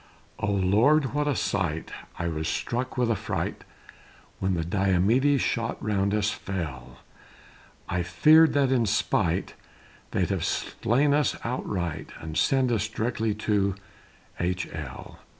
Oh Lord! what a sight! I was struck with affright, When the Diomede's shot round us fell, I feared that in spite, They'd have slain us outright, And sent us directly to h l.